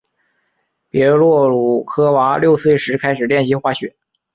别洛鲁科娃六岁时开始练习滑雪。